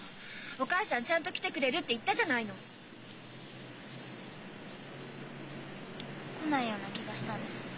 お母さんちゃんと来てくれるって言ったじゃないの！来ないような気がしたんです。